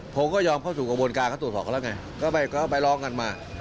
ผมก็ยอมเข้าสู่กระบวนการเขาตรวจสอบกันแล้วไงก็ไปร้องกันมา